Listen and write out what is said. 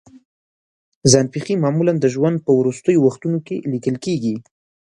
ځان پېښې معمولا د ژوند په وروستیو وختونو کې لیکل کېږي.